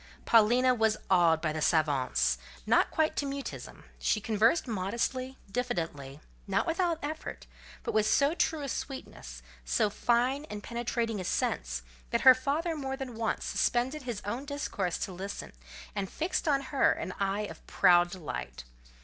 Paulina was awed by the savants, but not quite to mutism: she conversed modestly, diffidently; not without effort, but with so true a sweetness, so fine and penetrating a sense, that her father more than once suspended his own discourse to listen, and fixed on her an eye of proud delight.